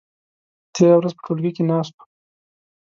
تېره ورځ په ټولګي کې ناست وو.